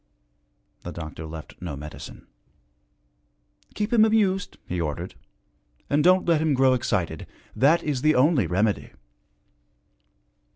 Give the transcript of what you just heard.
The doctor left no medicine. 'Keep him amused,' he ordered, 'and don't let him grow excited. That is the only remedy.'